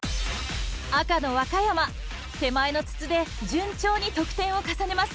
赤の和歌山手前の筒で順調に得点を重ねます。